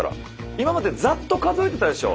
今までザッと数えてたでしょ？